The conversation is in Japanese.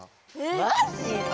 マジかよ。